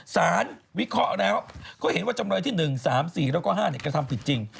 วิเคราะห์แล้วก็เห็นว่าจำเลยที่๑๓๔แล้วก็๕กระทำผิดจริง